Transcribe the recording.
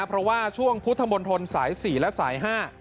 เพราะว่าช่วงพุทธมนตรสาย๔และสาย๕